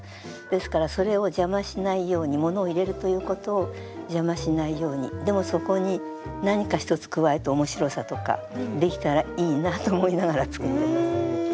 ですからそれを邪魔しないようにものを入れるということを邪魔しないようにでもそこに何か一つ加えて面白さとかできたらいいなと思いながら作ってます。